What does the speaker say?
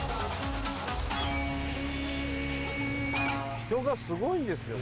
人がすごいんですよね